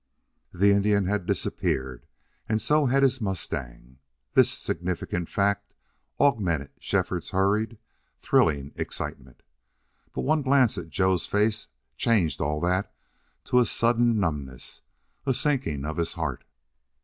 The Indian had disappeared and so had his mustang. This significant fact augmented Shefford's hurried, thrilling excitement. But one glance at Joe's face changed all that to a sudden numbness, a sinking of his heart.